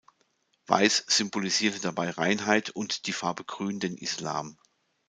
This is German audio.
Weiß symbolisiert dabei Reinheit und die Farbe Grün den Islam.